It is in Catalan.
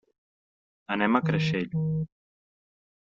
Anem a Creixell.